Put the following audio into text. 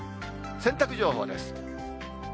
洗濯情報です。